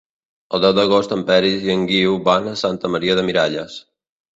El deu d'agost en Peris i en Guiu van a Santa Maria de Miralles.